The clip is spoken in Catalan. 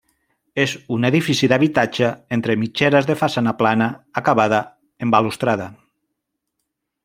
És un edifici d'habitatge entre mitgeres de façana plana acabada en balustrada.